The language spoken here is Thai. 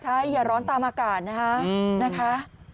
ใช่อย่าร้อนตามอากาศนะคะ